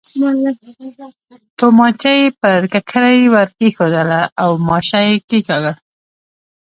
تومانچه یې پر ککرۍ ور کېښووله او ماشه یې کېکاږل.